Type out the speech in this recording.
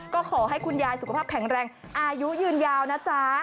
ก็ขอให้คุณยายสุขภาพแข็งแรงอายุยืนยาวนะจ๊ะ